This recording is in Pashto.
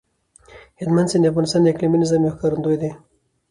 هلمند سیند د افغانستان د اقلیمي نظام یو ښکارندوی دی.